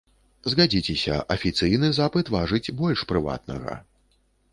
Згадзіцеся, афіцыйны запыт важыць больш прыватнага.